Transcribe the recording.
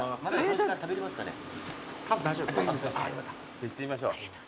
じゃ行ってみましょう。